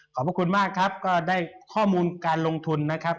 ขอบคุณมากครับก็ได้ข้อมูลการลงทุนนะครับ